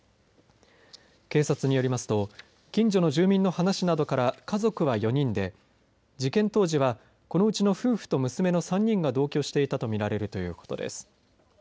警察によりますと近所の住民の話などから家族は４人で事件当時はこのうちの夫婦と娘の３人が同居していたと見られるということです。